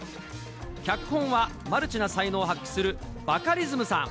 脚本はマルチな才能を発揮するバカリズムさん。